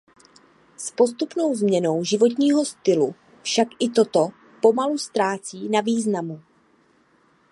S postupnou změnou životního stylu však i toto pomalu ztrácí na významu.